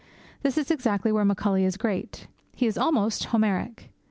That is exactly where Macaulay is great. He is almost Homeric.